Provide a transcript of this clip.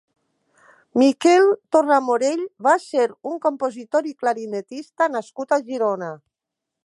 Miquel Torramorell va ser un compositor i clarinetista nascut a Girona.